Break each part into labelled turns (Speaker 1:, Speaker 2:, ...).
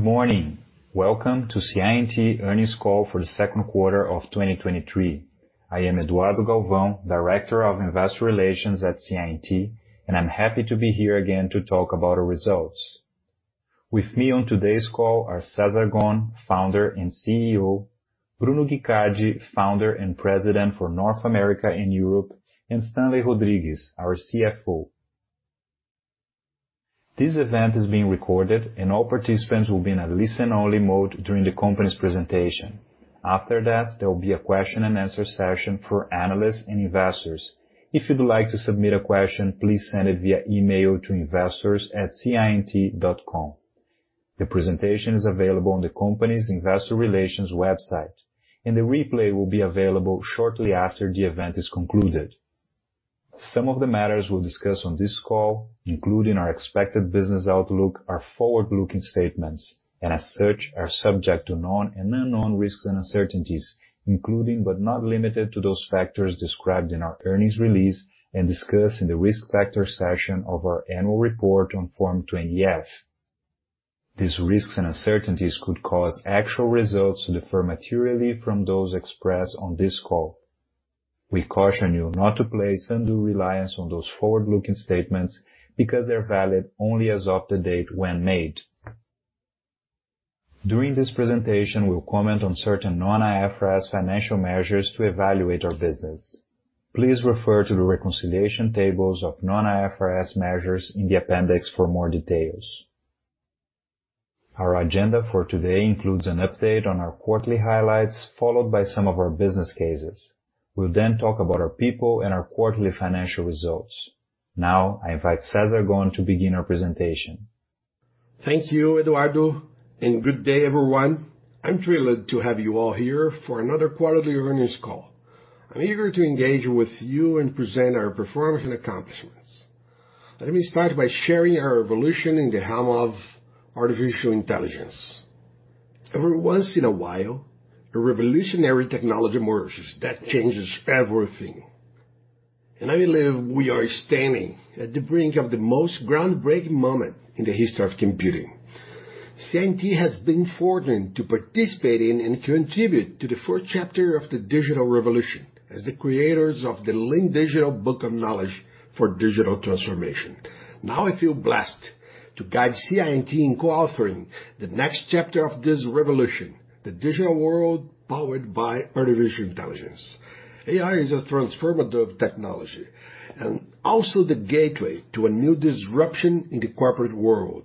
Speaker 1: Good morning. Welcome to CI&T Earnings Call for the second quarter of 2023. I am Eduardo Galvão, Director of Investor Relations at CI&T, and I'm happy to be here again to talk about our results. With me on today's call are Cesar Gon, Founder and CEO, Bruno Guicardi, Founder and President for North America and Europe, and Stanley Rodrigues, our CFO. This event is being recorded, and all participants will be in a listen-only mode during the company's presentation. After that, there will be a question and answer session for analysts and investors. If you'd like to submit a question, please send it via email to investors@ciandt.com. The presentation is available on the company's investor relations website, and the replay will be available shortly after the event is concluded. Some of the matters we'll discuss on this call, including our expected business outlook, are forward-looking statements, and as such, are subject to known and unknown risks and uncertainties, including but not limited to those factors described in our earnings release and discussed in the risk factor section of our annual report on Form 20-F. These risks and uncertainties could cause actual results to differ materially from those expressed on this call. We caution you not to place undue reliance on those forward-looking statements because they're valid only as of the date when made. During this presentation, we'll comment on certain non-IFRS financial measures to evaluate our business. Please refer to the reconciliation tables of non-IFRS measures in the appendix for more details. Our agenda for today includes an update on our quarterly highlights, followed by some of our business cases. We'll then talk about our people and our quarterly financial results. I invite Cesar Gon to begin our presentation.
Speaker 2: Thank you, Eduardo, and good day, everyone. I'm thrilled to have you all here for another quarterly earnings call. I'm eager to engage with you and present our performance and accomplishments. Let me start by sharing our revolution in the helm of artificial intelligence. Every once in a while, a revolutionary technology emerges that changes everything, and I believe we are standing at the brink of the most groundbreaking moment in the history of computing. CI&T has been fortunate to participate in and contribute to the first chapter of the digital revolution as the creators of the Lean Digital Book of Knowledge for digital transformation. Now, I feel blessed to guide CI&T in co-authoring the next chapter of this revolution, the digital world, powered by artificial intelligence. AI is a transformative technology and also the gateway to a new disruption in the corporate world,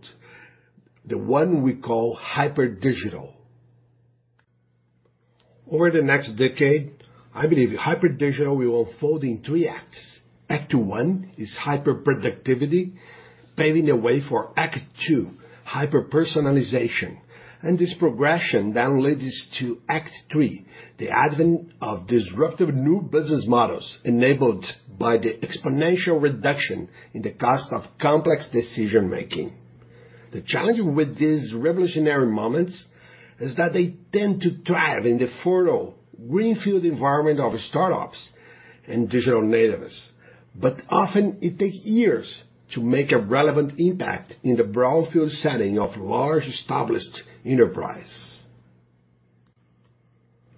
Speaker 2: the one we call hyperdigital. Over the next decade, believe hyperdigital will unfold in three acts. Act one is hyper-productivity, paving the way for act two, hyper-personalization. This progression then leads to act three, the advent of disruptive new business models, enabled by the exponential reduction in the cost of complex decision-making. The challenge with these revolutionary moments is that they tend to thrive in the fertile greenfield environment of startups and digital natives, but often it takes years to make a relevant impact in the brownfield setting of large, established enterprise.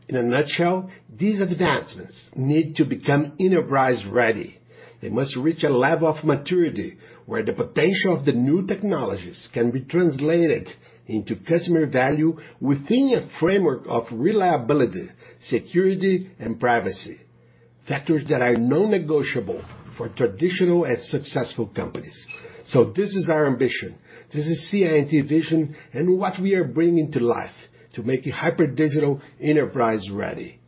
Speaker 2: In a nutshell, these advancements need to become enterprise-ready. They must reach a level of maturity where the potential of the new technologies can be translated into customer value within a framework of reliability, security, and privacy, factors that are non-negotiable for traditional and successful companies. This is our ambition. This is CI&T vision and what we are bringing to life to make a hyperdigital enterprise ready.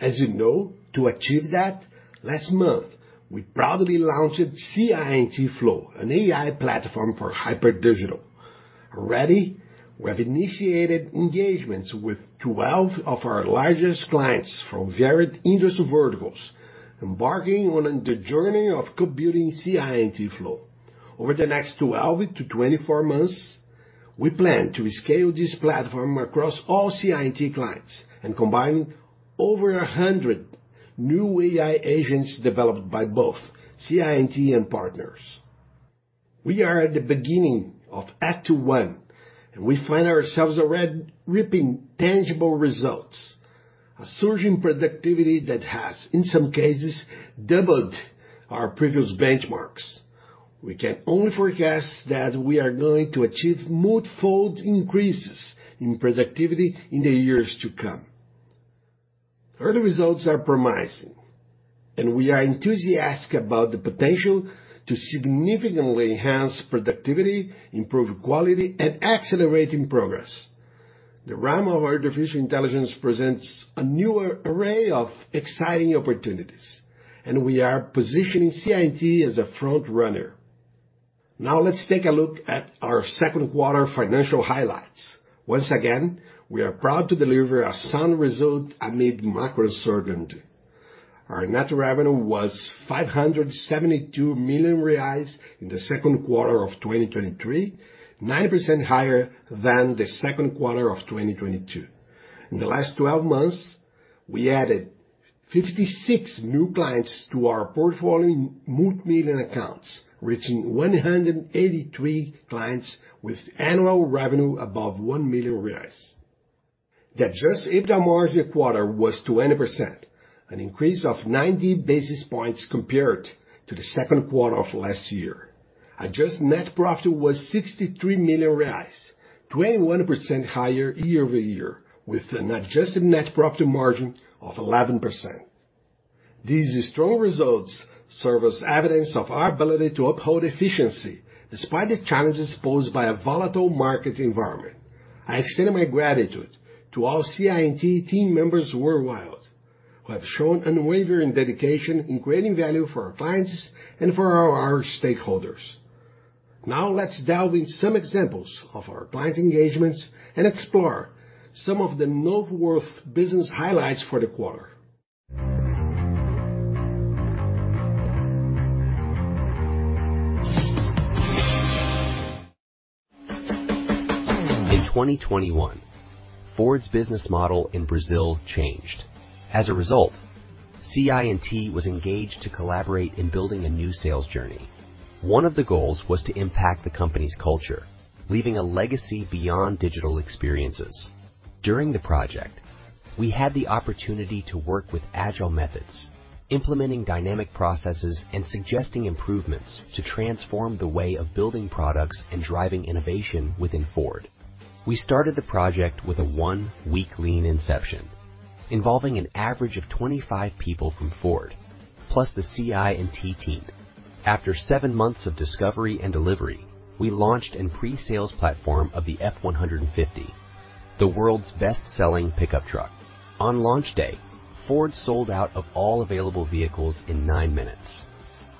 Speaker 2: As you know, to achieve that, last month, we proudly launched CI&T/FLOW, an AI platform for hyperdigital. Already, we have initiated engagements with 12 of our largest clients from varied industry verticals, embarking on the journey of co-building CI&T/FLOW. Over the next 12 to 24 months, we plan to scale this platform across all CI&T clients and combine over 100 new AI agents developed by both CI&T and partners. We are at the beginning of Act one, and we find ourselves already reaping tangible results, a surge in productivity that has, in some cases, doubled our previous benchmarks. We can only forecast that we are going to achieve multifold increases in productivity in the years to come. Early results are promising, we are enthusiastic about the potential to significantly enhance productivity, improve quality, and accelerating progress. The realm of artificial intelligence presents a new array of exciting opportunities, we are positioning CI&T as a frontrunner. Now, let's take a look at our second quarter financial highlights. Once again, we are proud to deliver a sound result amid macro uncertainty. Our net revenue was 572 million reais in the second quarter of 2023, 9% higher than the second quarter of 2022. We added 56 new clients to our portfolio multimillion accounts, reaching 183 clients with annual revenue above 1 million reais. The adjusted EBITDA margin quarter was 20%, an increase of 90 basis points compared to the second quarter of last year. Adjusted net profit was 63 million reais, 21% higher year-over-year, with an adjusted net profit margin of 11%. These strong results serve as evidence of our ability to uphold efficiency despite the challenges posed by a volatile market environment. I extend my gratitude to all CI&T team members worldwide, who have shown unwavering dedication in creating value for our clients and for our stakeholders. Now, let's delve in some examples of our client engagements and explore some of the noteworthy business highlights for the quarter.
Speaker 3: In 2021, Ford's business model in Brazil changed. As a result, CI&T was engaged to collaborate in building a new sales journey. One of the goals was to impact the company's culture, leaving a legacy beyond digital experiences. During the project, we had the opportunity to work with agile methods, implementing dynamic processes and suggesting improvements to transform the way of building products and driving innovation within Ford. We started the project with a one-week lean inception, involving an average of 25 people from Ford, plus the CI&T team. After seven months of discovery and delivery, we launched a pre-sales platform of the F-150, the world's best-selling pickup truck. On launch day, Ford sold out of all available vehicles in nine minutes.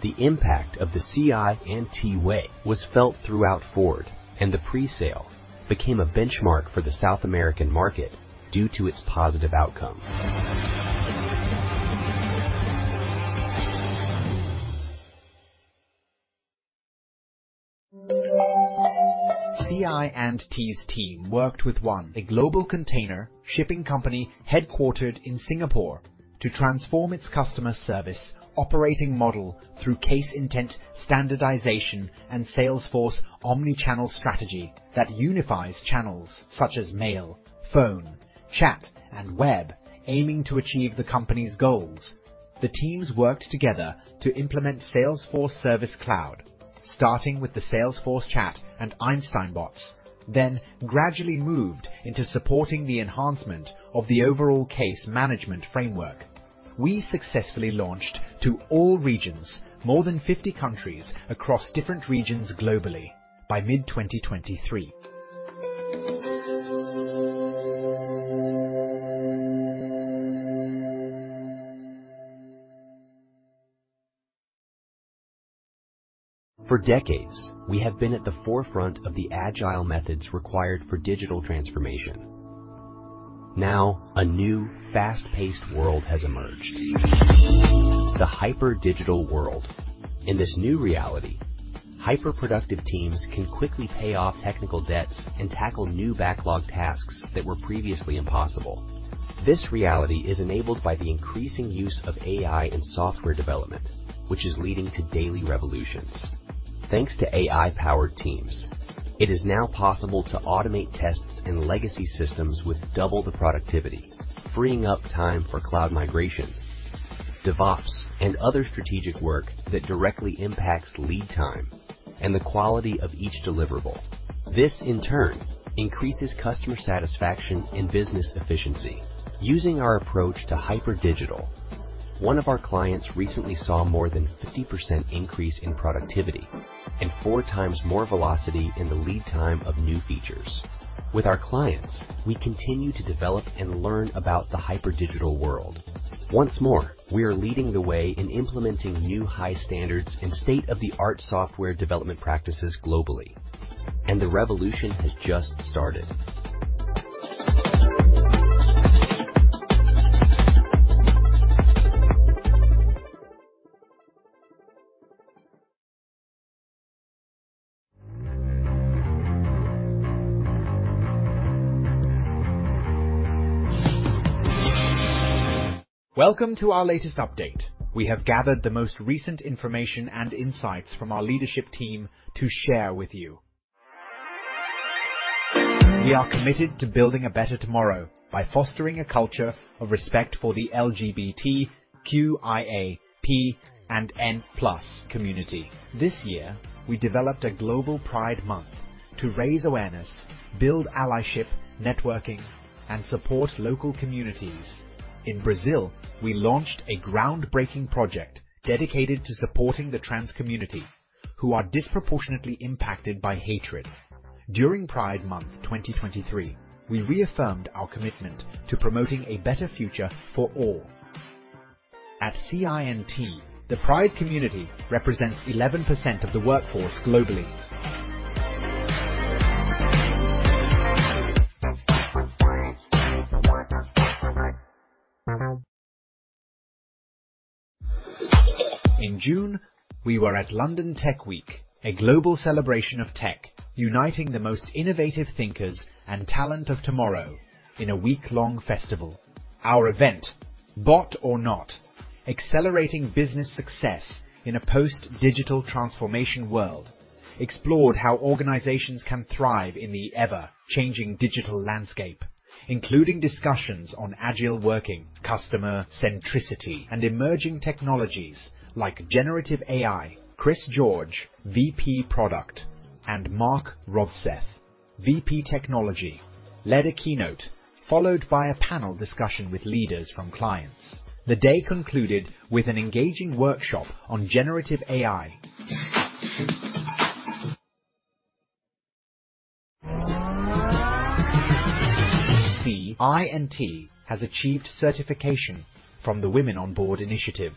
Speaker 3: The impact of the CI&T Way was felt throughout Ford. The pre-sale became a benchmark for the South American market due to its positive outcome. CI&T's team worked with ONE, a global container shipping company headquartered in Singapore, to transform its customer service operating model through case intent, standardization, and Salesforce omni-channel strategy that unifies channels such as mail, phone, chat, and web, aiming to achieve the company's goals. The teams worked together to implement Salesforce Service Cloud, starting with the Salesforce Chat and Einstein Bots, gradually moved into supporting the enhancement of the overall case management framework. We successfully launched to all regions, more than 50 countries across different regions globally by mid-2023. For decades, we have been at the forefront of the agile methods required for digital transformation. Now, a new fast-paced world has emerged, hyperdigital world. In this new reality, hyper-productive teams can quickly pay off technical debts and tackle new backlog tasks that were previously impossible. This reality is enabled by the increasing use of AI in software development, which is leading to daily revolutions. Thanks to AI-powered teams, it is now possible to automate tests in legacy systems with double the productivity, freeing up time for cloud migration, DevOps, and other strategic work that directly impacts lead time and the quality of each deliverable. This, in turn, increases customer satisfaction and business efficiency. Using our approach hyperdigital, one of our clients recently saw more than 50% increase in productivity and 4 times more velocity in the lead time of new features. With our clients, we continue to develop and learn about hyperdigital world. Once more, we are leading the way in implementing new high standards and state-of-the-art software development practices globally, and the revolution has just started. Welcome to our latest update. We have gathered the most recent information and insights from our leadership team to share with you. We are committed to building a better tomorrow by fostering a culture of respect for the LGBTQIAPN+ community. This year, we developed a Global Pride Month to raise awareness, build allyship, networking, and support local communities. In Brazil, we launched a groundbreaking project dedicated to supporting the trans community, who are disproportionately impacted by hatred. During Pride Month 2023, we reaffirmed our commitment to promoting a better future for all. At CI&T, the Pride community represents 11% of the workforce globally. CI&T has achieved certification from the Women on Board Initiative.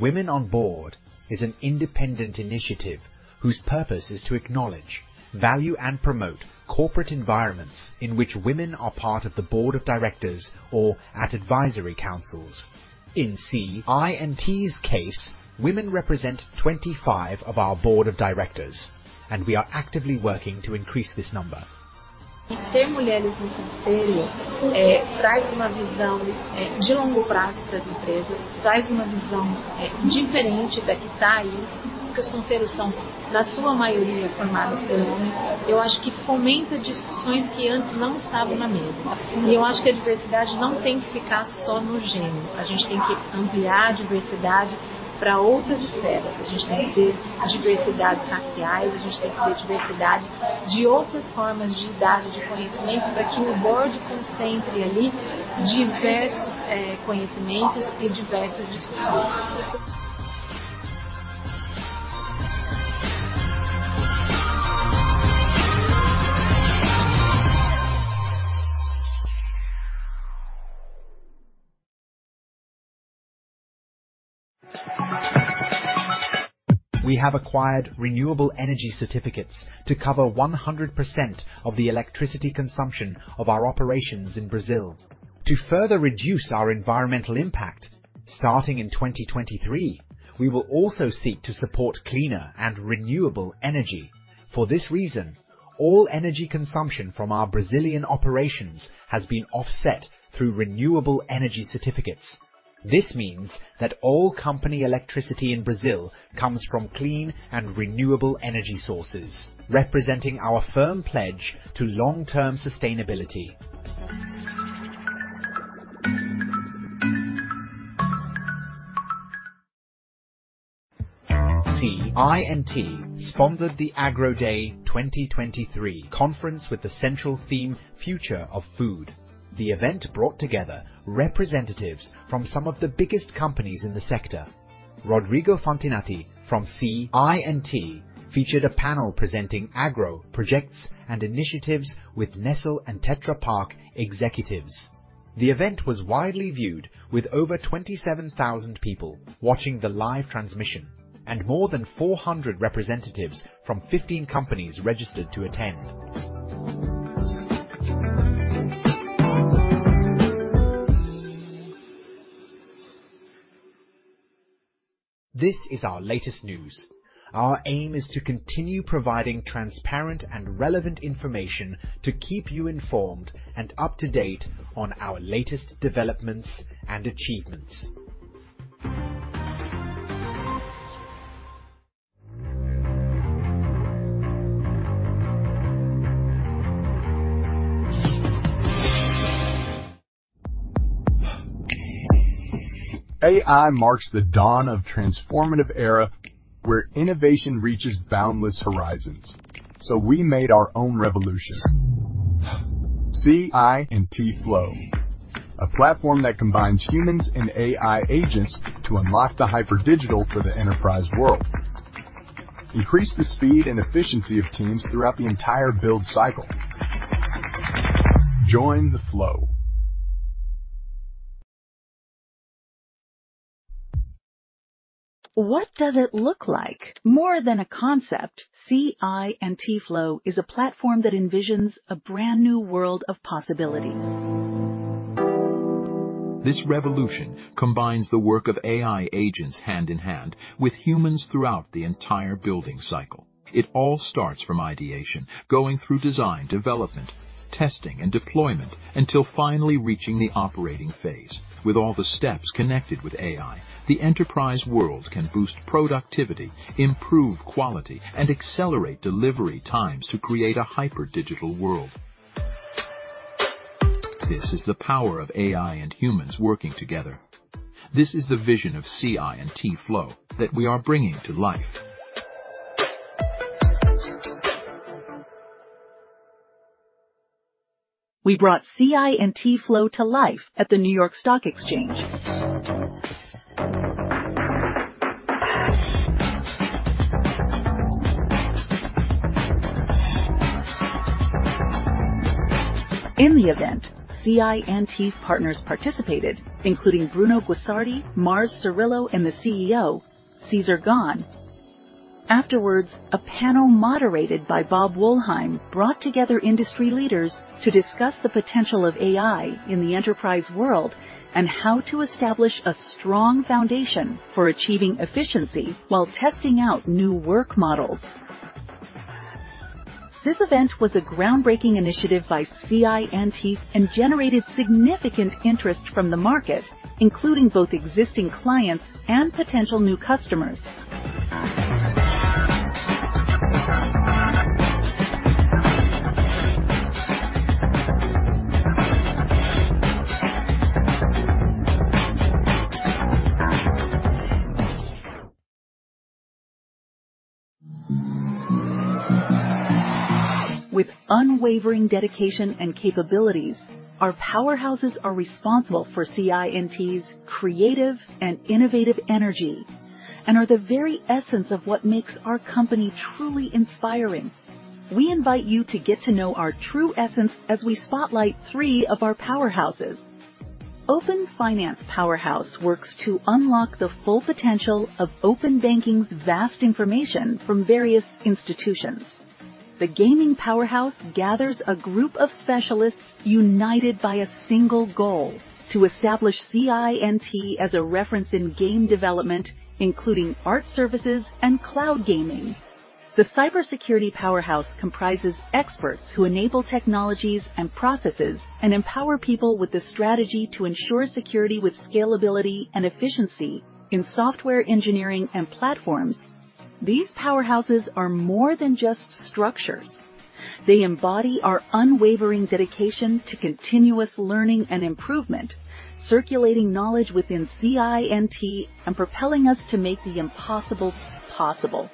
Speaker 3: Women on Board is an independent initiative whose purpose is to acknowledge, value, and promote corporate environments in which women are part of the board of directors or at advisory councils. In CI&T's case, women represent 25 of our board of directors, and we are actively working to increase this number. Having women We have acquired renewable energy certificates to cover 100% of the electricity consumption of our operations in Brazil. To further reduce our environmental impact, starting in 2023, we will also seek to support cleaner and renewable energy. For this reason, all energy consumption from our Brazilian operations has been offset through renewable energy certificates. This means that all company electricity in Brazil comes from clean and renewable energy sources, representing our firm pledge to long-term sustainability. CI&T sponsored the Agro Day 2023 conference with the central theme, Future of Food. The event brought together representatives from some of the biggest companies in the sector. Rodrigo Fantinatti from CI&T featured a panel presenting agro projects and initiatives with Nestlé and Tetra Pak executives. The event was widely viewed, with over 27,000 people watching the live transmission and more than 400 representatives from 15 companies registered to attend. This is our latest news. Our aim is to continue providing transparent and relevant information to keep you informed and up-to-date on our latest developments and achievements. AI marks the dawn of transformative era, where innovation reaches boundless horizons. We made our own revolution, CI&T/FLOW, a platform that combines humans and AI agents to unlock the hyperdigital for the enterprise world. Increase the speed and efficiency of teams throughout the entire build cycle. Join the Flow. What does it look like? More than a concept, CI&T/FLOW is a platform that envisions a brand-new world of possibilities. This revolution combines the work of AI agents hand in hand with humans throughout the entire building cycle. It all starts from ideation, going through design, development, testing, and deployment, until finally reaching the operating phase. With all the steps connected with AI, the enterprise world can boost productivity, improve quality, and accelerate delivery times to create hyperdigital world. This is the power of AI and humans working together. This is the vision of CI&T/FLOW that we are bringing to life. We brought CI&T/FLOW to life at the New York Stock Exchange. In the event, CI&T partners participated, including Bruno Guicardi, Mars Cyrillo, and the CEO, Cesar Gon. Afterwards, a panel moderated by Bob Wollheim, brought together industry leaders to discuss the potential of AI in the enterprise world and how to establish a strong foundation for achieving efficiency while testing out new work models. This event was a groundbreaking initiative by CI&T and generated significant interest from the market, including both existing clients and potential new customers. With unwavering dedication and capabilities, our powerhouses are responsible for CI&T's creative and innovative energy, and are the very essence of what makes our company truly inspiring. We invite you to get to know our true essence as we spotlight three of our powerhouses. Open Finance Powerhouse works to unlock the full potential of open banking's vast information from various institutions. The Gaming Powerhouse gathers a group of specialists united by a single goal: to establish CI&T as a reference in game development, including art services and cloud gaming. The Cybersecurity Powerhouse comprises experts who enable technologies and processes, and empower people with the strategy to ensure security with scalability and efficiency in software engineering and platforms. These Powerhouses are more than just structures. They embody our unwavering dedication to continuous learning and improvement, circulating knowledge within CI&T, and propelling us to make the impossible possible.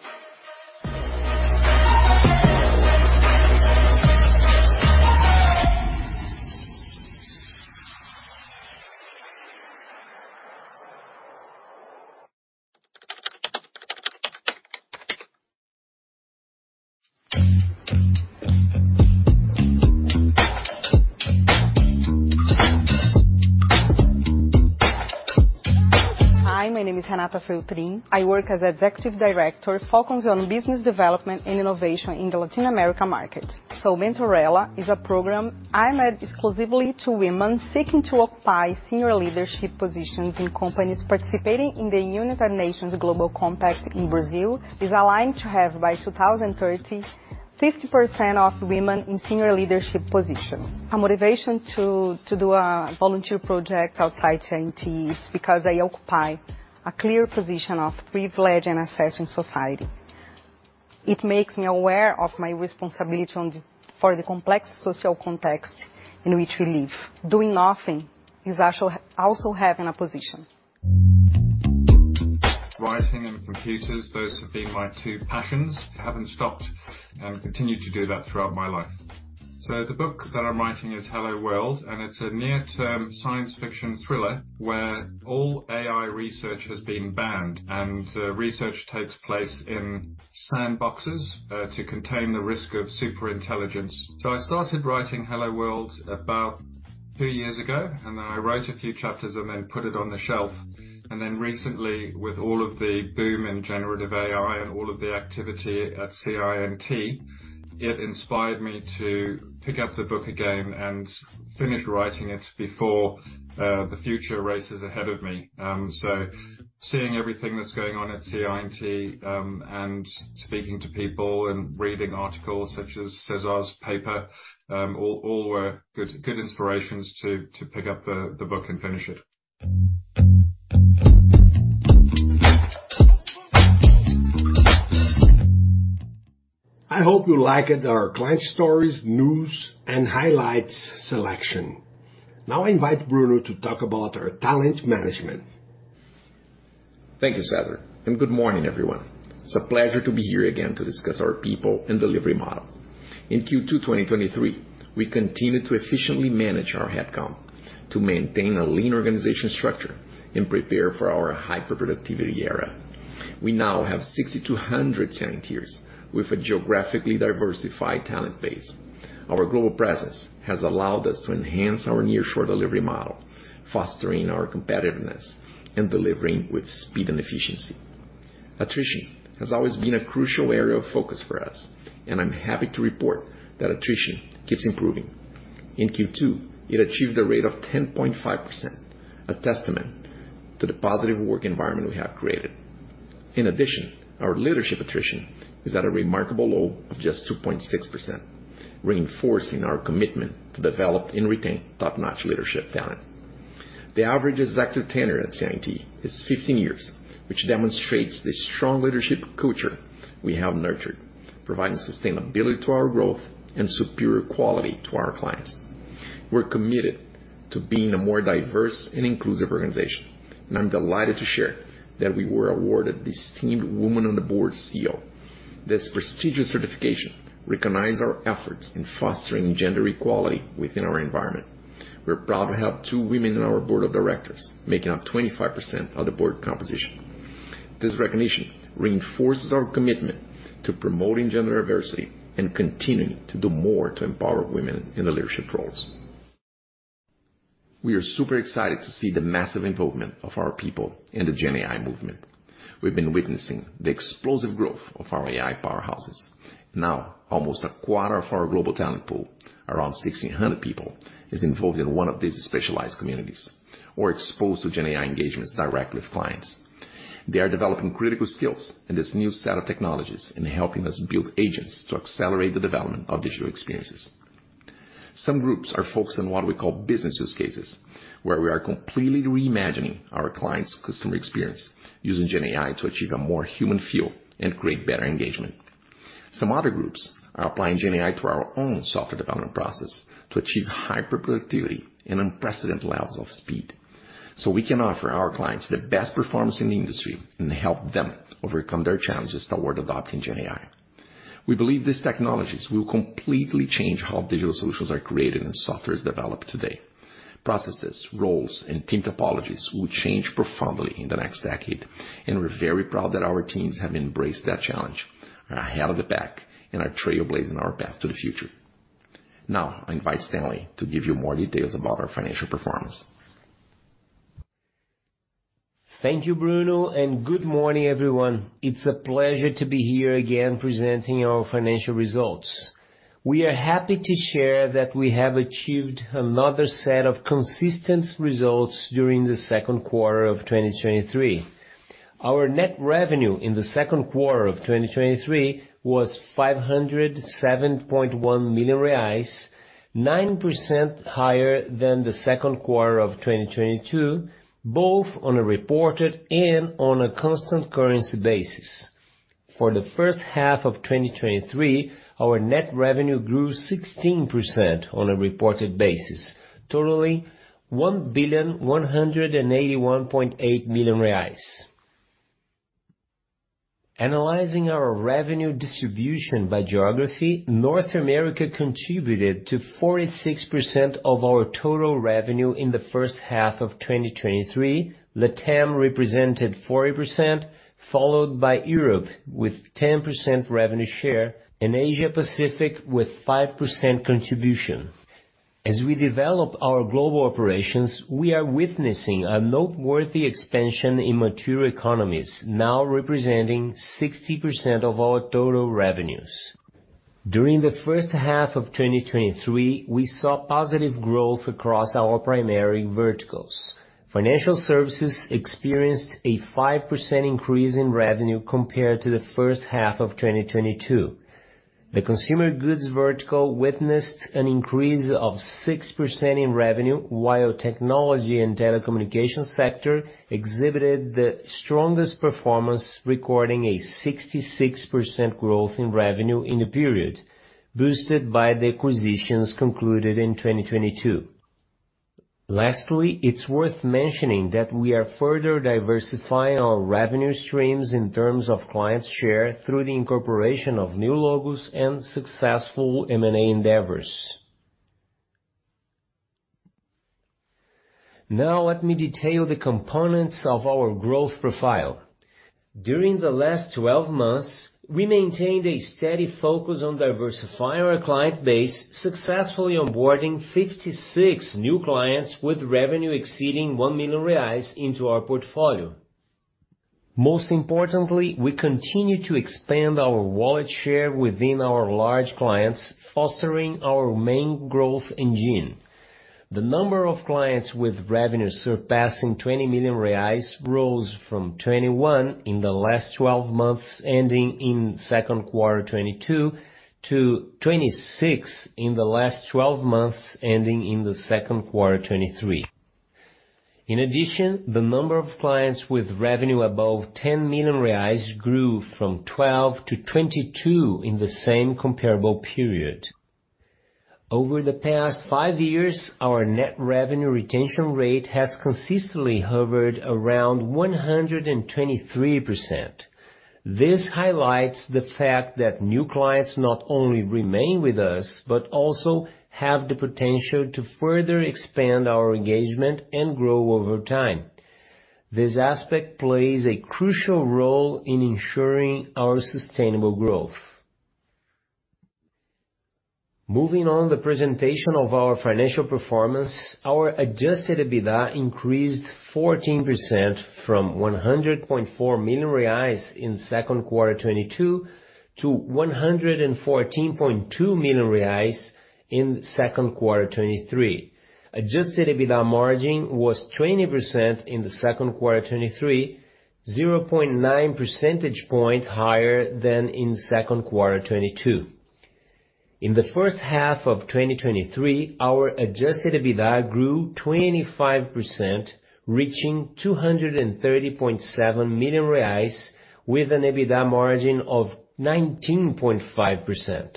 Speaker 4: Hi, my name is Renata Feltrin. I work as Executive Director, focusing on business development and innovation in the Latin America market. MentorEla is a program aimed exclusively to women seeking to occupy senior leadership positions in companies participating in the United Nations Global Compact in Brazil, is aligned to have, by 2030, 50% of women in senior leadership positions. Our motivation to do a volunteer project outside CI&T is because I occupy a clear position of privilege and access in society. It makes me aware of my responsibility for the complex social context in which we live. Doing nothing is also having a position.
Speaker 3: Writing and computers, those have been my two passions. I haven't stopped, continued to do that throughout my life. The book that I'm writing is Hello World, and it's a near-term science fiction thriller where all AI research has been banned, and research takes place in sandboxes to contain the risk of super intelligence. I started writing Hello World about two years ago, and then I wrote a few chapters and then put it on the shelf. Then recently, with all of the boom in generative AI and all of the activity at CI&T, it inspired me to pick up the book again and finish writing it before the future races ahead of me. Seeing everything that's going on at CI&T, and speaking to people and reading articles such as Cesar's paper, all were good inspirations to pick up the book and finish it.
Speaker 2: I hope you liked our client stories, news, and highlights selection. I invite Bruno to talk about our talent management.
Speaker 5: Thank you, Cesar, and good morning, everyone. It's a pleasure to be here again to discuss our people and delivery model. In Q2-2023, we continued to efficiently manage our head count to maintain a lean organization structure and prepare for our hyper-productivity era. We now have 6,200 CI&Ters with a geographically diversified talent base. Our global presence has allowed us to enhance our nearshore delivery model, fostering our competitiveness and delivering with speed and efficiency. Attrition has always been a crucial area of focus for us, and I'm happy to report that attrition keeps improving. In Q2, it achieved a rate of 10.5%, a testament to the positive work environment we have created. In addition, our leadership attrition is at a remarkable low of just 2.6%, reinforcing our commitment to develop and retain top-notch leadership talent. The average executive tenure at CI&T is 15 years, which demonstrates the strong leadership culture we have nurtured, providing sustainability to our growth and superior quality to our clients. We're committed to being a more diverse and inclusive organization, and I'm delighted to share that we were awarded the esteemed Women on the Board Seal. This prestigious certification recognize our efforts in fostering gender equality within our environment. We're proud to have two women in our board of directors, making up 25% of the board composition. This recognition reinforces our commitment to promoting gender diversity and continuing to do more to empower women in the leadership roles. We are super excited to see the massive involvement of our people in the Gen AI movement. We've been witnessing the explosive growth of our AI powerhouses. Now, almost a quarter of our global talent pool, around 1,600 people, is involved in one of these specialized communities or exposed to Gen AI engagements directly with clients. They are developing critical skills in this new set of technologies and helping us build agents to accelerate the development of digital experiences. Some groups are focused on what we call business use cases, where we are completely reimagining our clients' customer experience, using Gen AI to achieve a more human feel and create better engagement. Some other groups are applying Gen AI to our own software development process to achieve hyper-productivity and unprecedented levels of speed, so we can offer our clients the best performance in the industry and help them overcome their challenges toward adopting Gen AI. We believe these technologies will completely change how digital solutions are created and software is developed today. Processes, roles, and team topologies will change profoundly in the next decade. We're very proud that our teams have embraced that challenge and are ahead of the pack and are trailblazing our path to the future. Now, I invite Stanley to give you more details about our financial performance.
Speaker 6: Thank you, Bruno, and good morning, everyone. It's a pleasure to be here again, presenting our financial results. We are happy to share that we have achieved another set of consistent results during the second quarter of 2023. Our net revenue in the second quarter of 2023 was 507.1 million reais, 9% higher than the second quarter of 2022, both on a reported and on a constant currency basis. For the first half of 2023, our net revenue grew 16% on a reported basis, totaling BRL 1,181.8 million. Analyzing our revenue distribution by geography, North America contributed to 46% of our total revenue in the first half of 2023. LATAM represented 40%, followed by Europe with 10% revenue share, and Asia Pacific with 5% contribution. As we develop our global operations, we are witnessing a noteworthy expansion in mature economies, now representing 60% of our total revenues. During the first half of 2023, we saw positive growth across our primary verticals. Financial services experienced a 5% increase in revenue compared to the first half of 2022. The consumer goods vertical witnessed an increase of 6% in revenue, while technology and telecommunication sector exhibited the strongest performance, recording a 66% growth in revenue in the period, boosted by the acquisitions concluded in 2022. Lastly, it's worth mentioning that we are further diversifying our revenue streams in terms of clients' share through the incorporation of new logos and successful M&A endeavors. Now let me detail the components of our growth profile. During the last 12 months, we maintained a steady focus on diversifying our client base, successfully onboarding 56 new clients, with revenue exceeding 1 million reais into our portfolio. Most importantly, we continue to expand our wallet share within our large clients, fostering our main growth engine. The number of clients with revenue surpassing 20 million reais rose from 21 in the last 12 months, ending in 2Q 2022 to 26 in the last 12 months, ending in 2Q 2023. In addition, the number of clients with revenue above 10 million reais grew from 12 to 22 in the same comparable period. Over the past five years, our net revenue retention rate has consistently hovered around 123%. This highlights the fact that new clients not only remain with us, but also have the potential to further expand our engagement and grow over time. This aspect plays a crucial role in ensuring our sustainable growth. Moving on the presentation of our financial performance, our Adjusted EBITDA increased 14% from 100.4 million reais in second quarter 2022 to 114.2 million reais in second quarter 2023. Adjusted EBITDA margin was 20% in the second quarter 2023, 0.9 percentage points higher than in second quarter 2022. In the first half of 2023, our Adjusted EBITDA grew 25%, reaching 230.7 million reais with an EBITDA margin of 19.5%.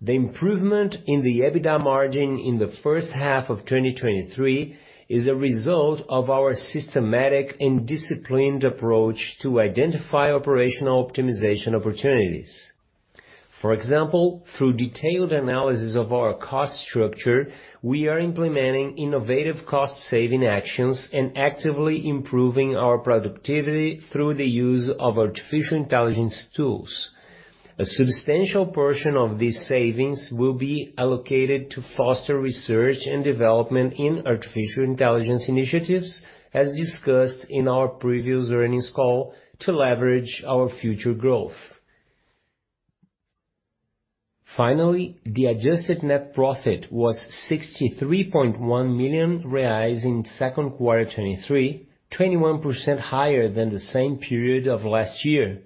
Speaker 6: The improvement in the EBITDA margin in the first half of 2023 is a result of our systematic and disciplined approach to identify operational optimization opportunities. For example, through detailed analysis of our cost structure, we are implementing innovative cost-saving actions and actively improving our productivity through the use of artificial intelligence tools. A substantial portion of these savings will be allocated to foster research and development in artificial intelligence initiatives, as discussed in our previous earnings call, to leverage our future growth. Finally, the adjusted net profit was 63.1 million reais in second quarter 2023, 21% higher than the same period of last year.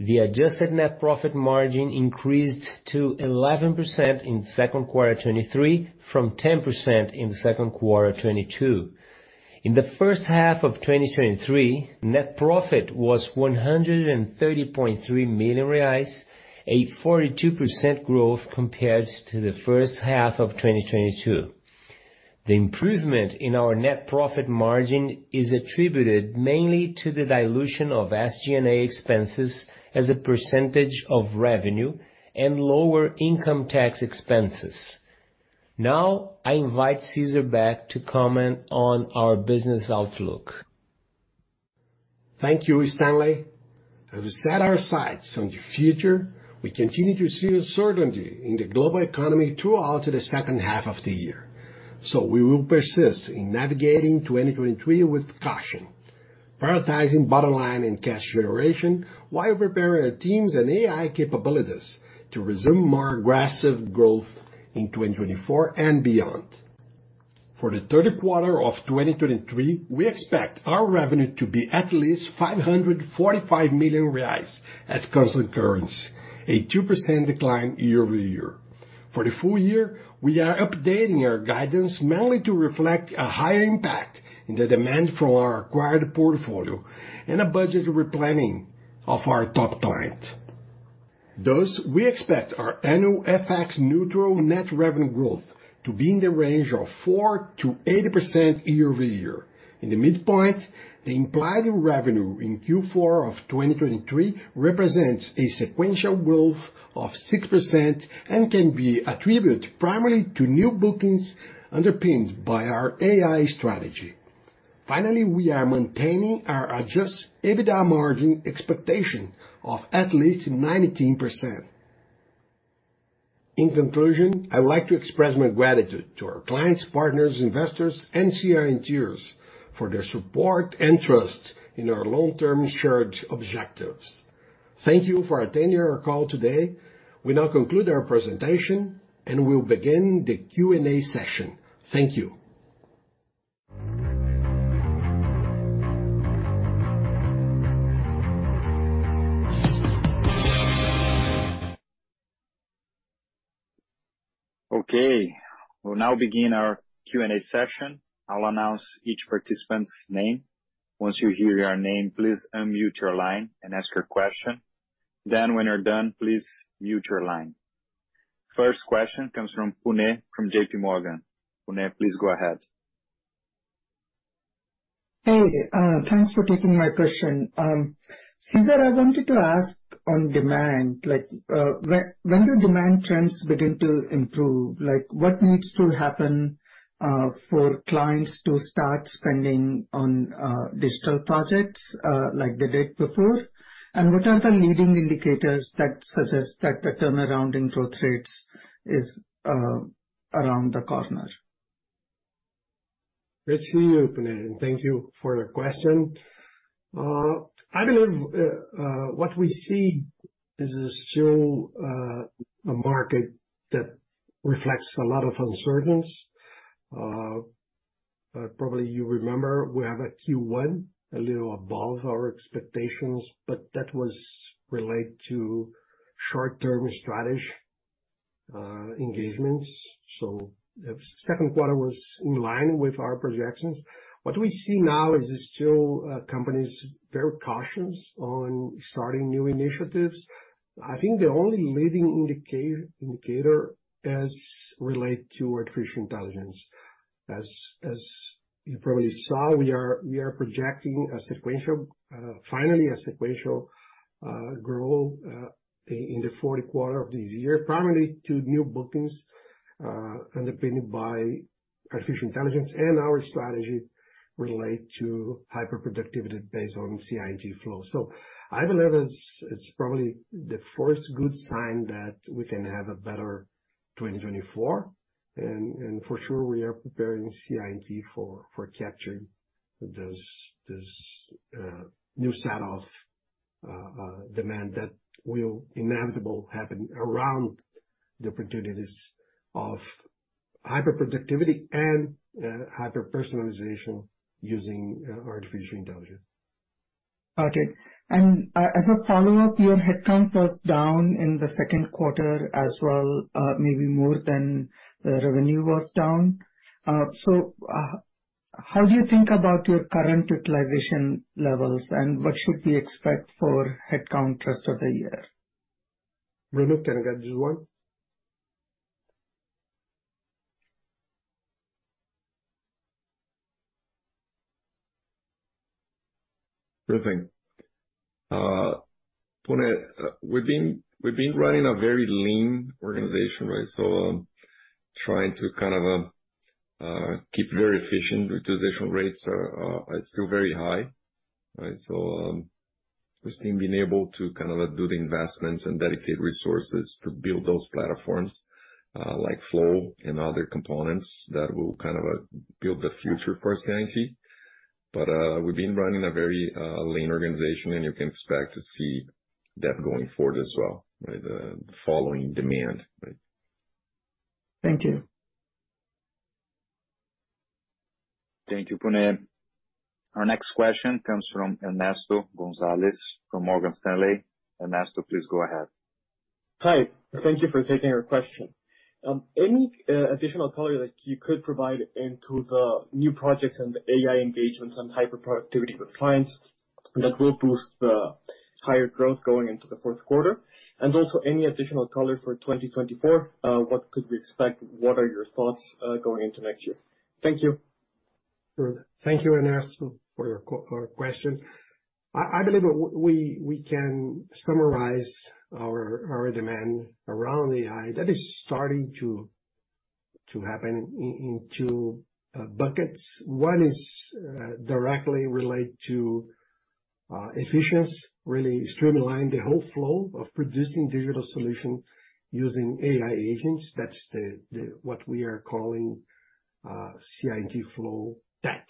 Speaker 6: The adjusted net profit margin increased to 11% in second quarter 2023, from 10% in the second quarter 2022. In the first half of 2023, net profit was 130.3 million reais, a 42% growth compared to the first half of 2022. The improvement in our net profit margin is attributed mainly to the dilution of SG&A expenses as a percentage of revenue and lower income tax expenses. Now, I invite Cesar back to comment on our business outlook.
Speaker 2: Thank you, Stanley. As we set our sights on the future, we continue to see uncertainty in the global economy throughout the second half of the year. We will persist in navigating 2023 with caution, prioritizing bottom line and cash generation, while preparing our teams and AI capabilities to resume more aggressive growth in 2024 and beyond. For the third quarter of 2023, we expect our revenue to be at least 545 million reais at constant currency, a 2% decline year-over-year. For the full year, we are updating our guidance mainly to reflect a higher impact in the demand from our acquired portfolio and a budget replanning of our top client. Thus, we expect our annual FX neutral net revenue growth to be in the range of 4%-8% year-over-year. In the midpoint, the implied revenue in Q4 of 2023 represents a sequential growth of 6% and can be attributed primarily to new bookings underpinned by our AI strategy. Finally, we are maintaining our adjusted EBITDA margin expectation of at least 19%. In conclusion, I would like to express my gratitude to our clients, partners, investors, and CI&Ters for their support and trust in our long-term shared objectives. Thank you for attending our call today. We now conclude our presentation, and we'll begin the Q&A session. Thank you.
Speaker 1: Okay, we'll now begin our Q&A session. I'll announce each participant's name. Once you hear your name, please unmute your line and ask your question. Then when you're done, please mute your line. First question comes from Puneet, from JPMorgan. Puneet, please go ahead.
Speaker 7: Hey, thanks for taking my question. Cesar, I wanted to ask on demand, like, when do demand trends begin to improve? Like, what needs to happen for clients to start spending on digital projects, like they did before? What are the leading indicators that suggest that the turnaround in growth rates is around the corner?
Speaker 2: Great to see you, Puneet, and thank you for your question. I believe what we see is still a market that reflects a lot of uncertainties. Probably you remember we have a Q1, a little above our expectations, but that was related to short-term strategy engagements, so the second quarter was in line with our projections. What we see now is still companies very cautious on starting new initiatives. I think the only leading indicator as relate to artificial intelligence. As you probably saw, we are projecting a sequential finally, a sequential growth in the fourth quarter of this year, primarily to new bookings, underpinned by artificial intelligence and our strategy relate to hyper-productivity based on CI&T/FLOW. I believe it's, it's probably the first good sign that we can have a better 2024. For sure, we are preparing CI&T for, for capturing this, this new set of demand that will inevitable happen around the opportunities of hyper-productivity and hyper-personalization using artificial intelligence.
Speaker 7: Okay. As a follow-up, your headcount was down in 2Q as well, maybe more than the revenue was down. How do you think about your current utilization levels, and what should we expect for headcount rest of the year?
Speaker 2: Renata, can I get you one?
Speaker 5: Sure thing. Puneet, we've been, we've been running a very lean organization, right? trying to kind of-...
Speaker 2: keep very efficient. Utilization rates are, are, are still very high, right? We've still been able to kind of do the investments and dedicate resources to build those platforms, like Flow and other components that will kind of, build the future for CI&T. We've been running a very, lean organization, and you can expect to see that going forward as well, right? The following demand, right.
Speaker 7: Thank you.
Speaker 1: Thank you, Puneet. Our next question comes from Ernesto González, from Morgan Stanley. Ernesto, please go ahead.
Speaker 8: Hi, thank you for taking our question. Any additional color that you could provide into the new projects and the AI engagements and hyper-productivity with clients that will boost the higher growth going into the fourth quarter? Any additional color for 2024, what could we expect? What are your thoughts, going into next year? Thank you.
Speaker 2: Thank you, Ernesto, for your for your question. I believe we can summarize our demand around AI. That is starting to happen in two buckets. One is directly related to efficiency, really streamlining the whole flow of producing digital solutions using AI agents. That's what we are calling CI&T/FLOW Stack.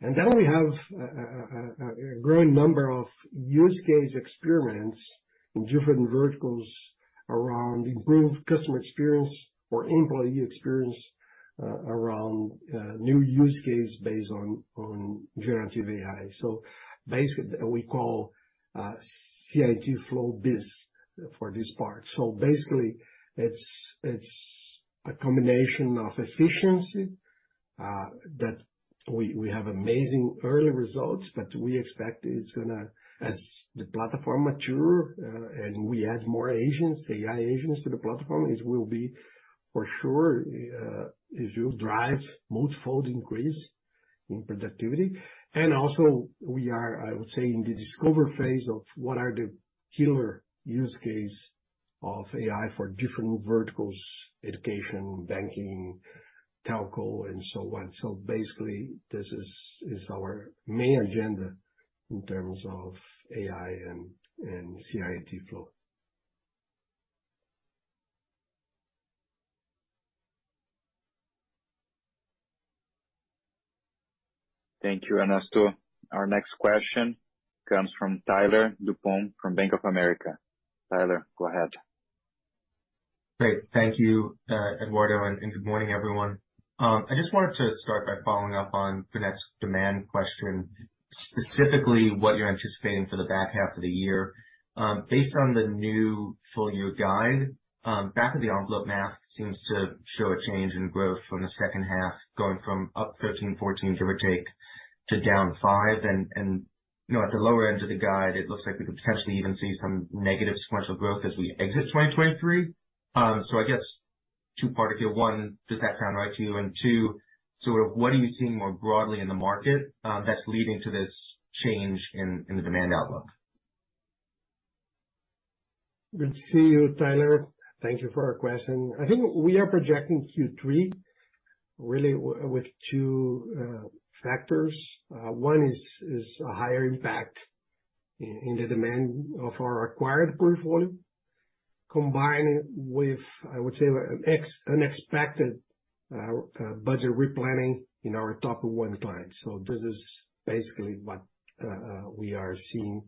Speaker 2: Then we have a growing number of use case experiments in different verticals around improved customer experience or employee experience around new use case based on generative AI. Basically, we call CI&T/FLOW Biz for this part. Basically, it's a combination of efficiency that we have amazing early results, but we expect it's gonna... as the platform mature, and we add more agents, AI agents to the platform, it will be for sure, it will drive multifold increase in productivity. We are, I would say, in the discover phase of what are the killer use case of AI for different verticals, education, banking, telco, and so on. This is, is our main agenda in terms of AI and, and CI&T/FLOW.
Speaker 1: Thank you, Ernesto. Our next question comes from Tyler DuPont from Bank of America. Tyler, go ahead.
Speaker 9: Great. Thank you, Eduardo, and good morning, everyone. I just wanted to start by following up on Puneet's demand question, specifically what you're anticipating for the back half of the year. Based on the new full year guide, back of the envelope math seems to show a change in growth from the second half, going from up 13%-14%, give or take, to down 5%. You know, at the lower end of the guide, it looks like we could potentially even see some negative sequential growth as we exit 2023. I guess two parts here: one, does that sound right to you? 2, sort of, what are you seeing more broadly in the market that's leading to this change in the demand outlook?
Speaker 2: Good to see you, Tyler. Thank you for your question. I think we are projecting Q3 really with two factors. One is, is a higher impact in the demand of our acquired portfolio, combined with, I would say, an unexpected budget replanning in our top one client. This is basically what we are seeing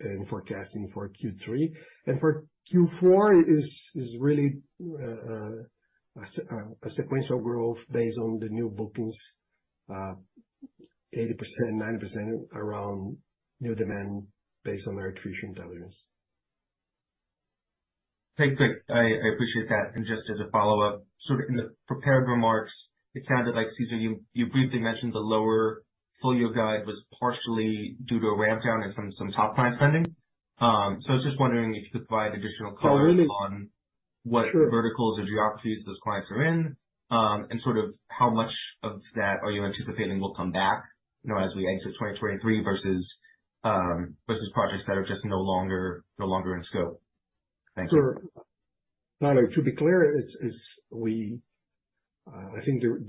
Speaker 2: in forecasting for Q3. For Q4 is, is really a sequential growth based on the new bookings, 80%, 9% around new demand based on our attrition dollars.
Speaker 9: Thank you. I, I appreciate that. Just as a follow-up, sort of in the prepared remarks, it sounded like, Cesar, you, you briefly mentioned the lower full year guide was partially due to a ramp down in some, some top line spending. I was just wondering if you could provide additional color?
Speaker 2: Oh, really?
Speaker 9: On what verticals or geographies those clients are in, and sort of how much of that are you anticipating will come back, you know, as we exit 2023 versus, versus projects that are just no longer, no longer in scope? Thank you.
Speaker 2: Sure. Tyler, to be clear, it's, it's we, I think the,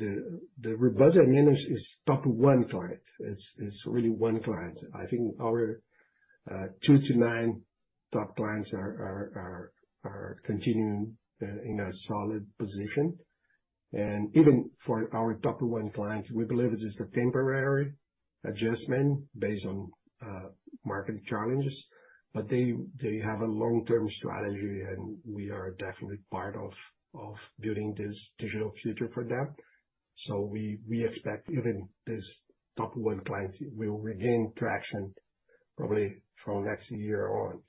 Speaker 2: the, the budget manage is top one client. It's, it's really one client. I think our two-nine top clients are, are, are, are continuing in a solid position. Even for our top one clients, we believe this is a temporary adjustment based on market challenges, but they, they have a long-term strategy, and we are definitely part of, of building this digital future for them. We, we expect even this top one client will regain traction probably from next year on.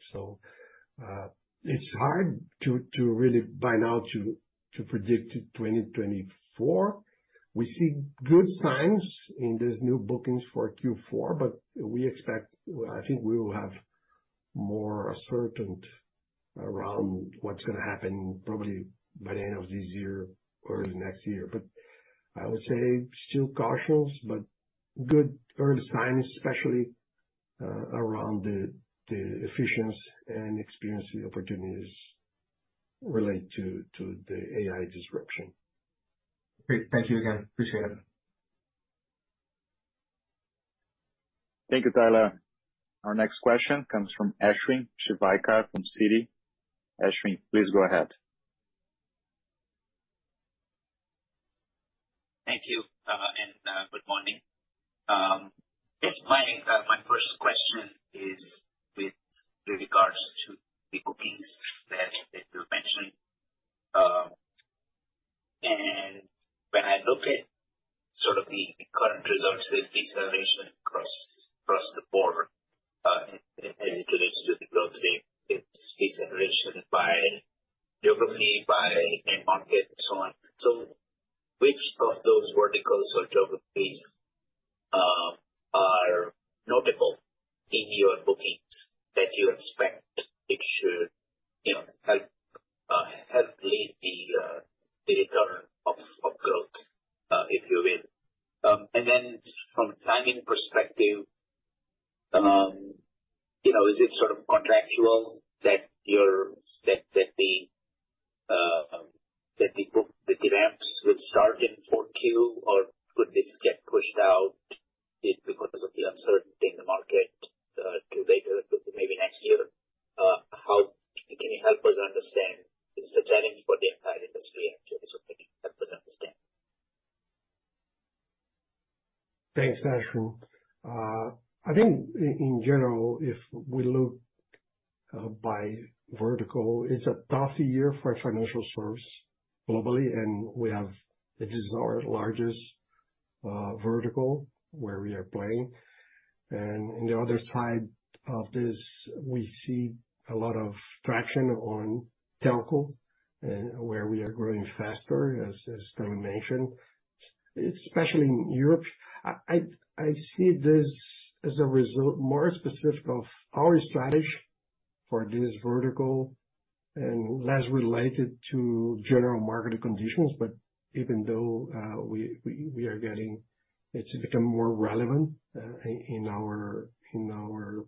Speaker 2: It's hard to, to really by now, to, to predict 2024. We see good signs in these new bookings for Q4, but we expect... I think we will have more ascertainty around what's gonna happen probably by the end of this year or next year. I would say still cautious, but good early signs, especially around the, the efficiency and experiencing opportunities related to, to the AI disruption.
Speaker 9: Great. Thank you again. Appreciate it.
Speaker 1: Thank you, Tyler. Our next question comes from Ashwin Shirvaikar from Citi. Ashwin, please go ahead.
Speaker 10: Thank you, and good morning. Just my first question is with regards to the bookings that you mentioned. When I look at sort of the current results, the deceleration across, across the board, as it relates to the growth rate, it's deceleration by geography, by end market and so on. Which of those verticals or geographies are notable in your bookings that you expect it should, you know, help lead the return of growth, if you will? Then from timing perspective, you know, is it sort of contractual that the ramps will start in 4Q, or could this get pushed out because of the uncertainty in the market, to later, to maybe next year? How... Can you help us understand? It's a challenge for the entire industry, actually, so help us understand.
Speaker 2: Thanks, Ashwin. I think in general, if we look by vertical, it's a tough year for financial service globally, and we have-- this is our largest vertical where we are playing. On the other side of this, we see a lot of traction on telco, and where we are growing faster, as, as Stanley mentioned, especially in Europe. I, I, I see this as a result more specific of our strategy for this vertical and less related to general market conditions. Even though, we, we, we are getting... It's become more relevant in our, in our,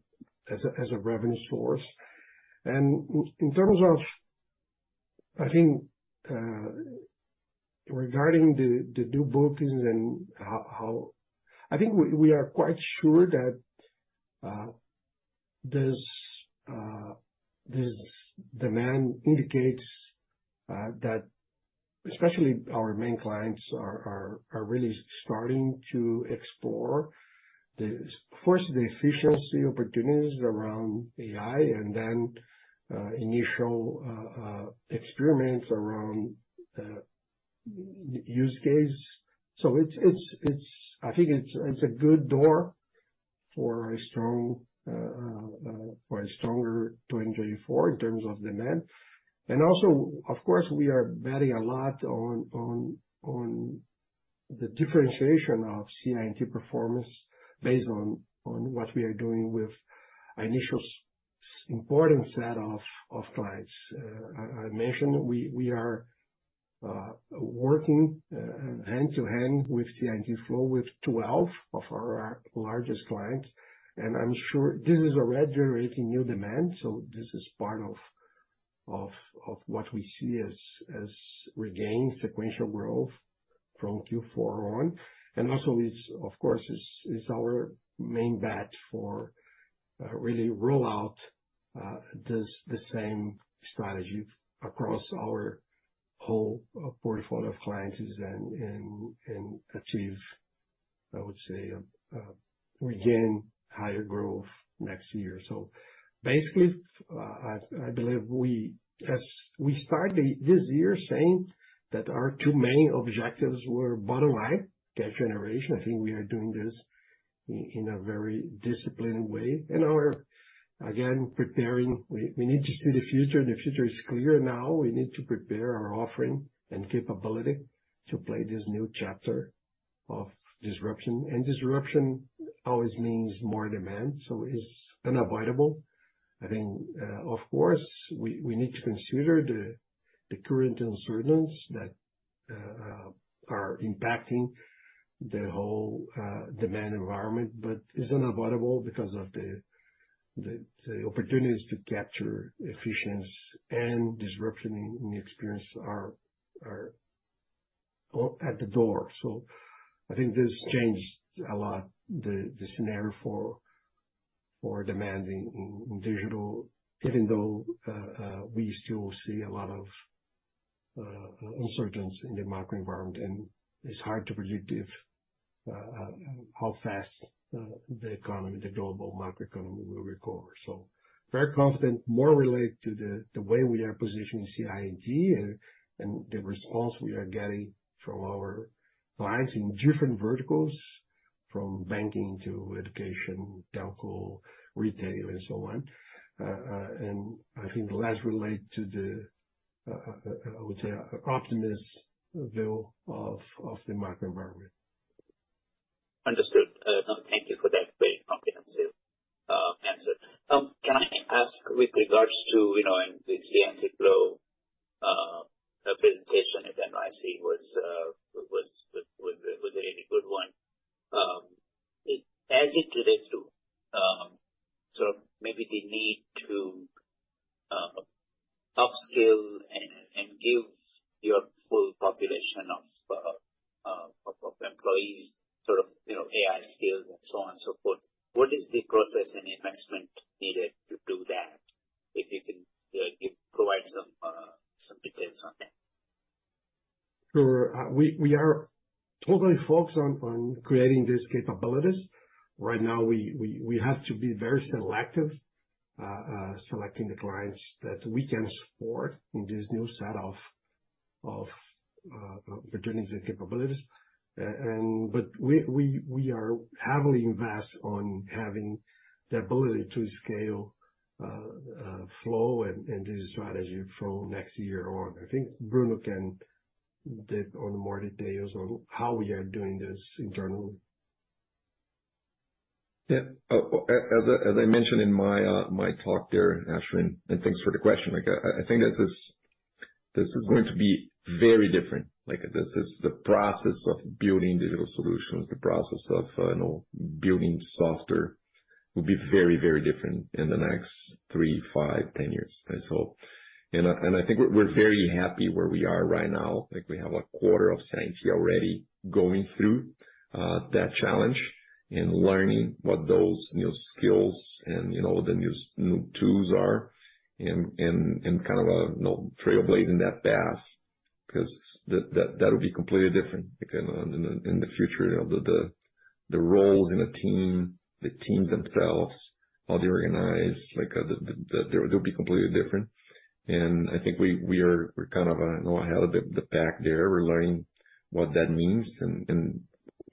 Speaker 2: as a, as a revenue source. In terms of, I think, regarding the, the new bookings and h-how... I think we, we are quite sure that this this demand indicates that especially our main clients are, are, are really starting to explore the, first, the efficiency opportunities around AI and then initial experiments around use case. I think it's, it's a good door for a strong for a stronger 2024 in terms of demand. Also, of course, we are betting a lot on, on, on the differentiation of CI&T performance based on, on what we are doing with initial important set of, of clients. I, I mentioned we, we are working hand to hand with CI&T/FLOW with 12 of our largest clients, and I'm sure this is already generating new demand, so this is part of, of, of what we see as regained sequential growth from Q4 on. Also is, of course, is, is our main bet for really roll out this, the same strategy across our whole portfolio of clients and, and, and achieve, I would say, regain higher growth next year. Basically, I, I believe we As we started this year saying that our 2 main objectives were bottom line, cash generation, I think we are doing this i-in a very disciplined way, and we're again preparing. We, we need to see the future. The future is clear now. We need to prepare our offering and capability to play this new chapter of disruption. Disruption always means more demand, so it's unavoidable. I think, of course, we need to consider the current uncertainties that are impacting the whole demand environment, but it's unavoidable because of the opportunities to capture efficiency and disruption in experience are at the door. I think this changed a lot, the scenario for demanding in digital, even though we still see a lot of uncertainties in the macro environment, and it's hard to predict if how fast the economy, the global macroeconomy, will recover. Very confident, more related to the, the way we are positioning CI&T and, and the response we are getting from our clients in different verticals, from banking to education, telco, retail and so on. I think the last relate to the, I would say, optimism view of, of the macro environment.
Speaker 10: Understood. Thank you for that very comprehensive answer. With regards to, you know, and the CI&T/FLOW, the presentation at NYSE was, was, was, was a really good one. As it relates to, sort of maybe the need to upskill and, and give your full population of, of, of employees, sort of, you know, AI skills and so on and so forth, what is the process and investment needed to do that? If you can, give- provide some details on that.
Speaker 2: Sure. We are totally focused on creating these capabilities. Right now, we have to be very selective selecting the clients that we can support in this new set of opportunities and capabilities. We are heavily invest on having the ability to scale FLOW and this strategy from next year on. I think Bruno can give on more details on how we are doing this internally.
Speaker 5: Yeah. as I, as I mentioned in my, my talk there, Ashwin, thanks for the question. Like, I, I think this is, this is going to be very different. Like, this is the process of building digital solutions, the process of, you know, building software will be very, very different in the next three, five, 10 years. I hope. I, and I think we're, we're very happy where we are right now. I think we have a quarter of science already going through, that challenge and learning what those new skills and, you know, the new new tools are, and, and, and kind of, you know, trailblazing that path. Because that, that, that will be completely different, you know, in the, in the future, you know, the, the, the roles in a team, the teams themselves, how they organize, like, they'll be completely different. I think we, we are, we're kind of, you know, ahead of the, the pack there. We're learning what that means, and, and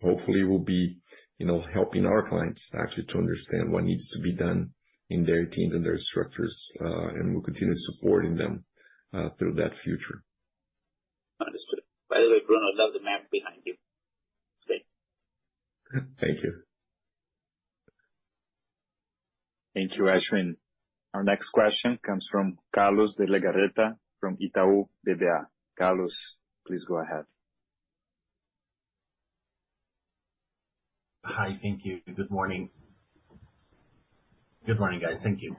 Speaker 5: hopefully we'll be, you know, helping our clients actually to understand what needs to be done in their teams and their structures, and we'll continue supporting them through that future.
Speaker 10: Understood. By the way, Bruno, love the map behind you. It's great.
Speaker 5: Thank you.
Speaker 1: Thank you, Ashwin. Our next question comes from Carlos de Legarreta, from Itaú BBA. Carlos, please go ahead.
Speaker 11: Hi. Thank you. Good morning. Good morning, guys. Thank you.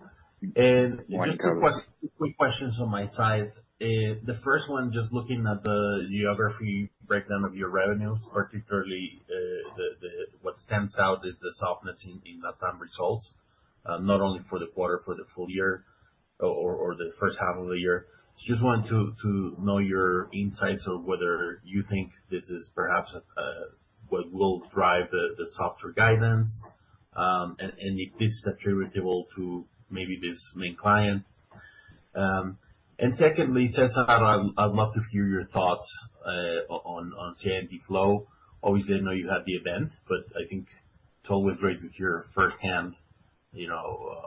Speaker 1: Good morning, Carlos.
Speaker 11: Two quick, two quick questions on my side. The first one, just looking at the geography breakdown of your revenues, particularly, what stands out is the softness in LATAM results, not only for the quarter, for the full year or, or, the first half of the year. Just wanted to, to know your insights of whether you think this is perhaps what will drive the, the softer guidance, and, and if this is attributable to maybe this main client? Secondly, Cesar, I'd, I'd love to hear your thoughts on, on CI&T/FLOW. Obviously, I know you had the event, but I think it's always great to hear firsthand, you know,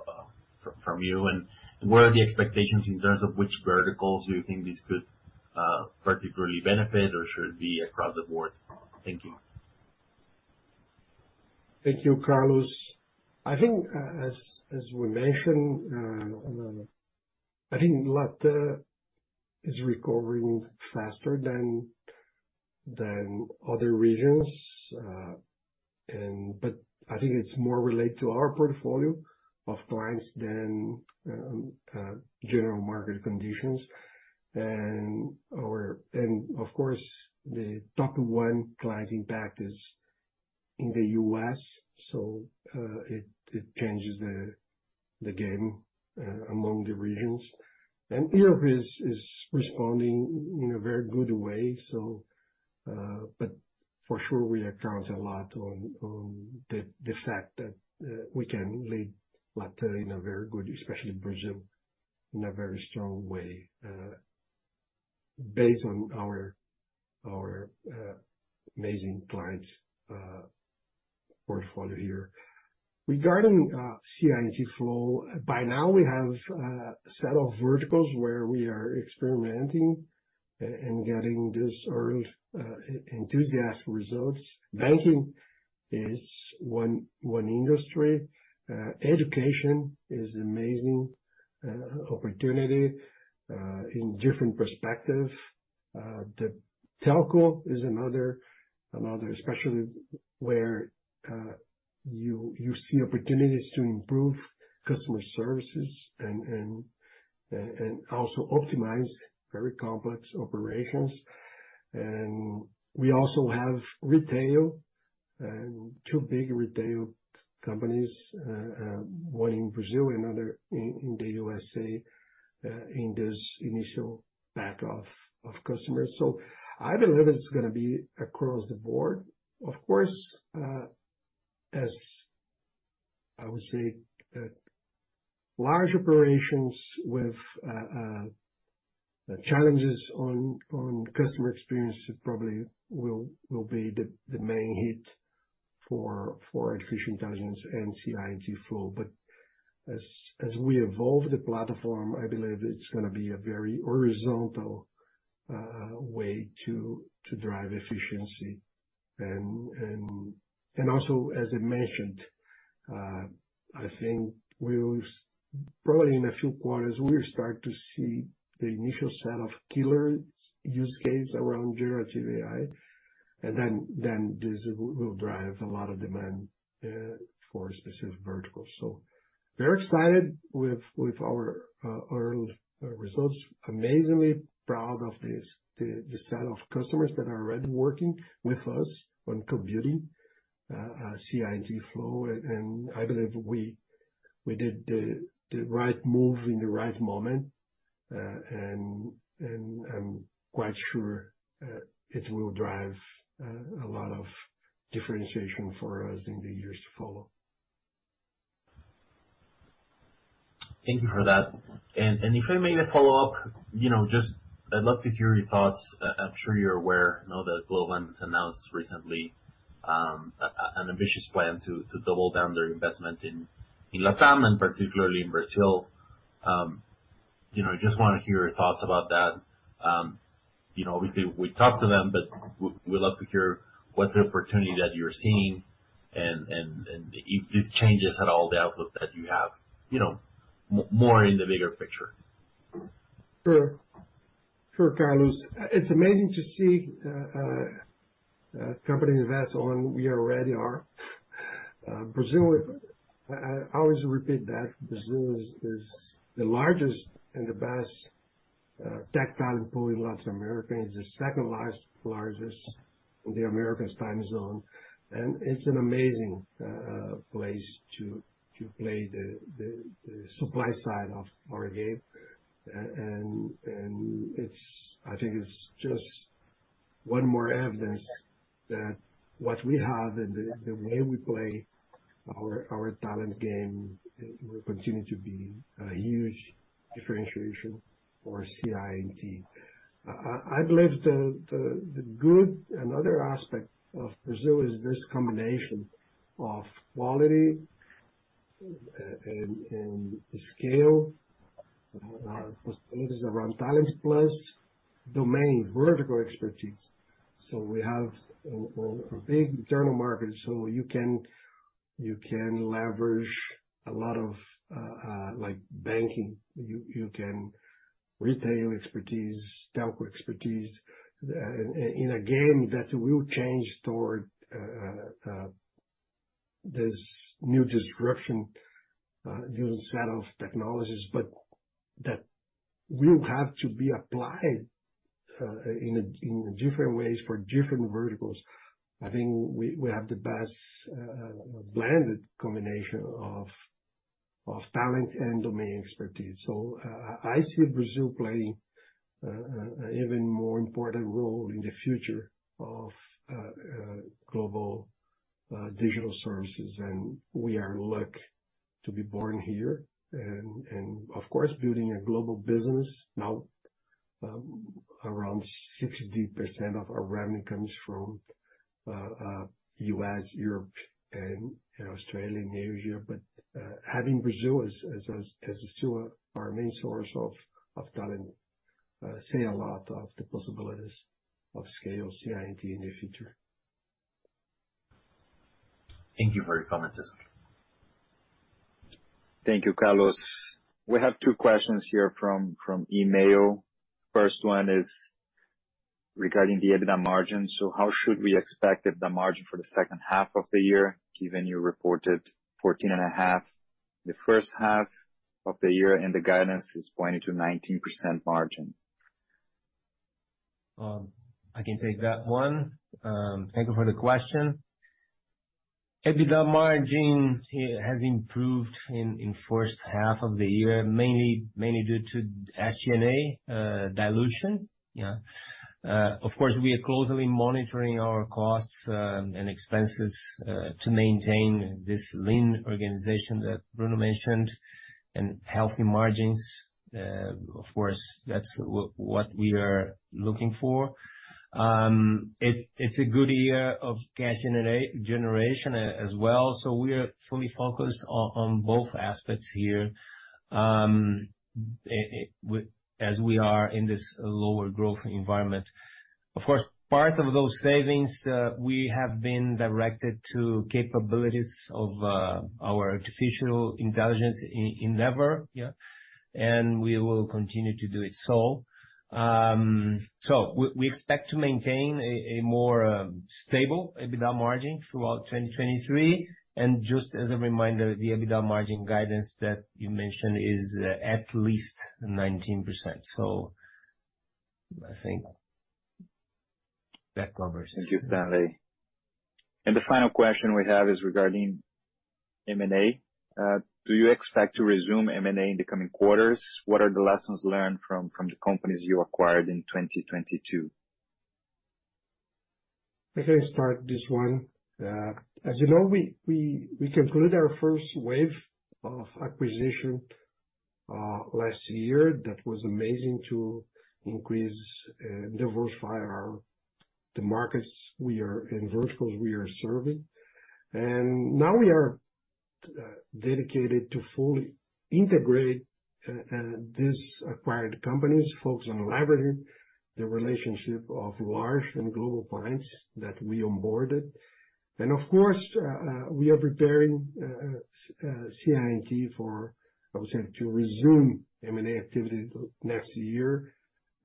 Speaker 11: from, from you. What are the expectations in terms of which verticals you think this could particularly benefit or should be across the board? Thank you.
Speaker 2: Thank you, Carlos. I think a- as, as we mentioned, I think LATAM is recovering faster than, than other regions, and but I think it's more related to our portfolio of clients than general market conditions. Or -- and of course, the top one client impact is in the US, so it, it changes the, the game among the regions. Europe is, is responding in a very good way, so... For sure, we account a lot on, on the, the fact that we can lead LATAM in a very good, especially Brazil, in a very strong way, based on our, our amazing client portfolio here. Regarding CI&T/FLOW, by now, we have a set of verticals where we are experimenting a- and getting this early enthusiast results. Banking is one, one industry. Education is amazing opportunity in different perspective. The telco is another, another, especially where you see opportunities to improve customer services and also optimize very complex operations. We also have retail, two big retail companies, one in Brazil, another in the USA, in this initial pack of customers. I believe it's going to be across the board. Of course, as I would say, large operations with challenges on customer experience, it probably will be the main hit for artificial intelligence and CI&T/FLOW. But as we evolve the platform, I believe it's going to be a very horizontal way to drive efficiency. Also, as I mentioned, I think we'll probably in a few quarters, we'll start to see the initial set of killer use case around Generative AI, and then this will drive a lot of demand for specific verticals. We're excited with our results. Amazingly proud of this, the set of customers that are already working with us on computing CI&T/FLOW. I believe we did the right move in the right moment. I'm quite sure it will drive a lot of differentiation for us in the years to follow.
Speaker 11: Thank you for that. If I may follow up, you know, just I'd love to hear your thoughts. I'm sure you're aware, you know, that Globant announced recently, an ambitious plan to, to double down their investment in Latam and particularly in Brazil. You know, I just wanna hear your thoughts about that. You know, obviously, we talked to them, but we'd love to hear what's the opportunity that you're seeing, and, and, and if this changes at all the outlook that you have, you know, more in the bigger picture.
Speaker 2: Sure. Sure, Carlos. It's amazing to see a company invest on we already are. Brazil, I, I always repeat that Brazil is, is the largest and the best tech talent pool in Latin America. It's the second largest, largest in the Americas time zone, and it's an amazing place to, to play the, the, the supply side of our game. I think it's just one more evidence that what we have and the, the way we play our, our talent game will continue to be a huge differentiation for CI&T. I, I believe Another aspect of Brazil is this combination of quality and, and scale possibilities around talent plus domain, vertical expertise. We have a big internal market, so you can leverage a lot of like banking, you can retail expertise, telco expertise, in a game that will change toward this new disruption, new set of technologies, but that will have to be applied in different ways for different verticals. I think we have the best blended combination of talent and domain expertise. I see Brazil playing an even more important role in the future of global digital services. We are lucky to be born here, and of course, building a global business. Now, around 60% of our revenue comes from U.S., Europe, and Australia, and Asia. having Brazil as, as, as still our main source of, of talent, say a lot of the possibilities of scale CI&T in the future.
Speaker 11: Thank you for your comments, Cesar.
Speaker 1: Thank you, Carlos. We have two questions here from email. First one is regarding the EBITDA margin. How should we expect EBITDA margin for the second half of the year, given you reported 14.5% the first half of the year, and the guidance is pointing to 19% margin?
Speaker 6: I can take that one. Thank you for the question. EBITDA margin has improved in first half of the year, mainly due to SG&A dilution. Yeah. Of course, we are closely monitoring our costs and expenses to maintain this lean organization that Bruno mentioned, and healthy margins. Of course, that's what we are looking for. It's a good year of cash generation as well, so we are fully focused on both aspects here. As we are in this lower growth environment. Of course, part of those savings we have been directed to capabilities of our artificial intelligence endeavor, yeah, and we will continue to do it. We expect to maintain a more stable EBITDA margin throughout 2023. just as a reminder, the EBITDA margin guidance that you mentioned is, at least 19%. I think that covers it.
Speaker 1: Thank you, Stanley. The final question we have is regarding M&A. Do you expect to resume M&A in the coming quarters? What are the lessons learned from the companies you acquired in 2022?
Speaker 2: I can start this one. As you know, we, we, we concluded our first wave of acquisition last year. That was amazing to increase and diversify our, the markets we are, and verticals we are serving. Now we are dedicated to fully integrate these acquired companies, focus on leveraging the relationship of large and global clients that we onboarded. Of course, we are preparing CI&T for, I would say, to resume M&A activity next year.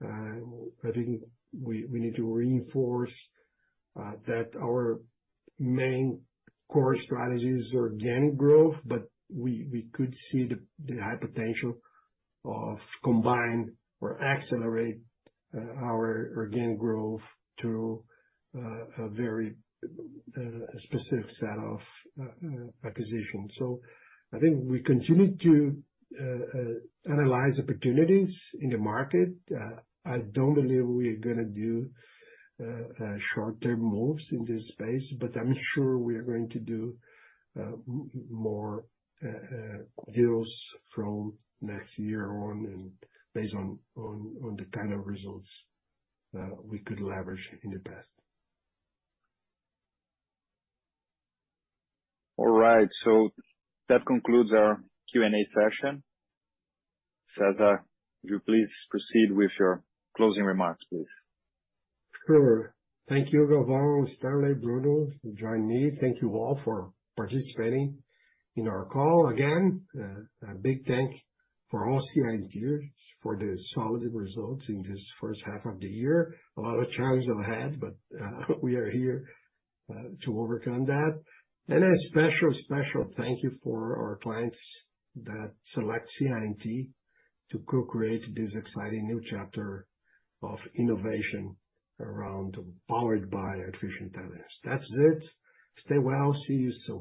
Speaker 2: I think we, we need to reinforce that our main core strategy is organic growth, but we, we could see the, the high potential of combine or accelerate our organic growth to a very specific set of acquisition. I think we continue to analyze opportunities in the market. I don't believe we are gonna do short-term moves in this space, but I'm sure we are going to do more deals from next year on, and based on, on, on the kind of results we could leverage in the past.
Speaker 1: All right, that concludes our Q&A session. Cesar, would you please proceed with your closing remarks, please?
Speaker 2: Sure. Thank you, Alvaro, Stanley, Bruno, join me. Thank you all for participating in our call. Again, a big thank for all CI&Ters for the solid results in this first half of the year. A lot of challenges ahead, we are here to overcome that. A special, special thank you for our clients that select CI&T to co-create this exciting new chapter of innovation around powered by artificial intelligence. That's it. Stay well. See you soon.